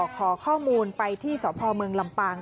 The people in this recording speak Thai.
ขอข้อมูลไปที่สพเมืองลำปาง